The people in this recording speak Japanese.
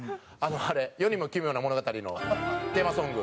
あれ『世にも奇妙な物語』のテーマソング。